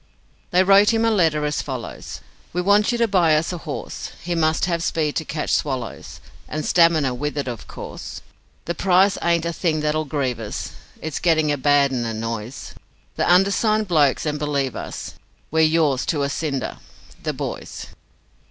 They wrote him a letter as follows: 'We want you to buy us a horse; He must have the speed to catch swallows, And stamina with it of course. The price ain't a thing that'll grieve us, It's getting a bad 'un annoys The undersigned blokes, and believe us, We're yours to a cinder, 'the boys'.'